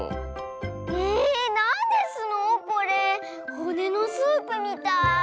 ほねのスープみたい。